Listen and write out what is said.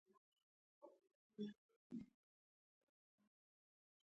مېلمستون والي دفتر سره نږدې و.